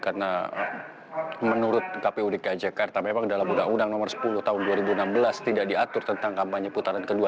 karena menurut kpud dki jakarta memang dalam undang undang nomor sepuluh tahun dua ribu enam belas tidak diatur tentang kampanye putaran kedua